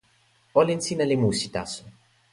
olin sina li musi taso.